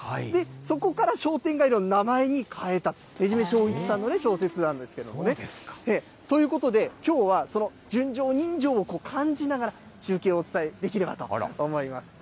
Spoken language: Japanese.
そこから商店街の名前に変えた、ねじめしょういちさんの小説なんですけれどもね。ということで、きょうはその純情、人情を感じながら、中継をお伝えできればと思います。